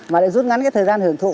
mà lại rút ngắn cái thời gian hưởng thụ